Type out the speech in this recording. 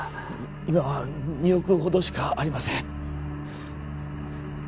今は２億ほどしかありません